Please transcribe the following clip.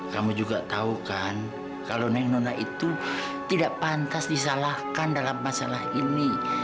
kamu juga tahu kan kalau nenek nona itu tidak pantas disalahkan dalam masalah ini